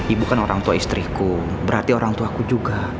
ibu kan orang tua istriku berarti orang tuaku juga